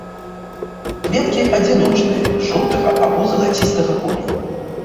Кветкі адзіночныя, жоўтага або залацістага колеру.